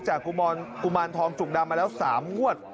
กุมารทองจุกดำมาแล้ว๓งวด